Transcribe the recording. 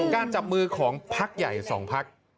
การจับมือของพักใหญ่สองพัก